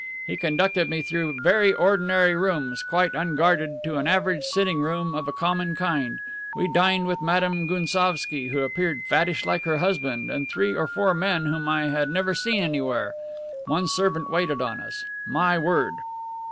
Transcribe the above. He conducted me through very ordinary rooms quite unguarded to an average sitting room of a common kind. We dined with Madame Gounsovski, who appeared fattish like her husband, and three or four men whom I had never seen anywhere. One servant waited on us. My word!